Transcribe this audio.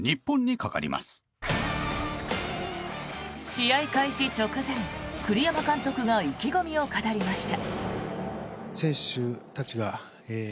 試合開始直前、栗山監督が意気込みを語りました。